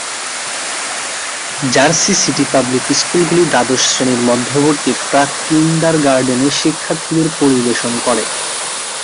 Jersey City public স্কুলগুলি দ্বাদশ শ্রেণির মধ্যবর্তী প্রাক-কিন্ডারগার্টেনে শিক্ষার্থীদের পরিবেশন করে।